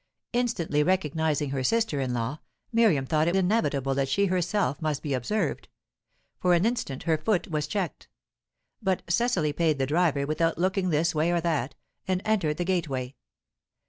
Instantly recognizing her sister in law, Miriam thought it inevitable that she herself must be observed; for an instant her foot was checked. But Cecily paid the driver without looking this way or that, and entered the gateway.